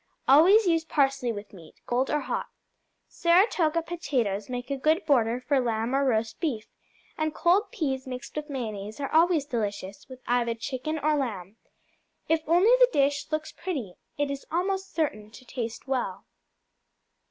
Always use parsley with meat, cold or hot. Saratoga potatoes make a good border for lamb or roast beef, and cold peas mixed with mayonnaise are always delicious with either chicken or lamb. If only the dish looks pretty, it is almost certain to taste well.